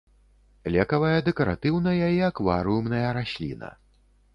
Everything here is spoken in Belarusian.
Лекавая, дэкаратыўная і акварыумная расліна.